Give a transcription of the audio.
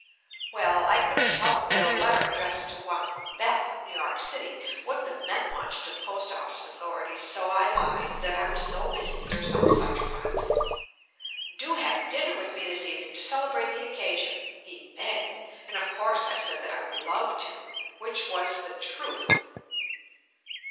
Well, I couldn't tell him that a letter addressed to one, "Bep," New York City, wouldn't have meant much to the post office authorities, so I lied "That I was so busy" or some such rot. "Do have dinner with me this evening to celebrate the occasion," he begged, and of course I said that I w r ould love to, which was the truth.